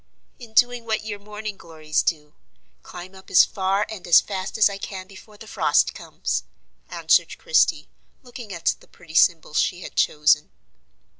"In doing what your morning glories do,—climb up as far and as fast as I can before the frost comes," answered Christie, looking at the pretty symbols she had chosen.